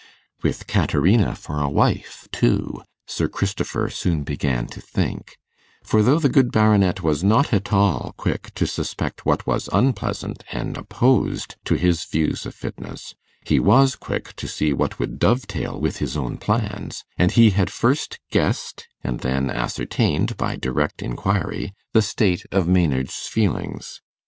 'With Caterina for a wife, too,' Sir Christopher soon began to think; for though the good Baronet was not at all quick to suspect what was unpleasant and opposed to his views of fitness, he was quick to see what would dovetail with his own plans; and he had first guessed, and then ascertained, by direct inquiry, the state of Maynard's feelings.